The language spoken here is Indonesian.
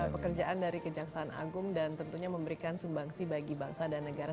pekerjaan dari kejaksaan agung dan tentunya memberikan sumbangsi bagi bangsa dan negara